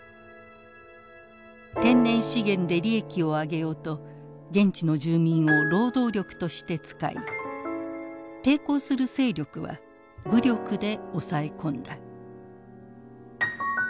天然資源で利益を上げようと現地の住民を労働力として使い抵抗する勢力は武力で抑え込んだ。